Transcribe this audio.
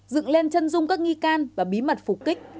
dựng lên chân dung các nghi can và bí mật phục kích